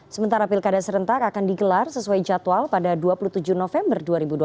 sementara pilkada serentak akan digelar sesuai jadwal pada dua puluh tujuh november dua ribu dua puluh